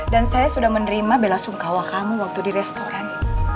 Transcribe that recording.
dan saya sudah menerima bela sungkawa kamu waktu di restoran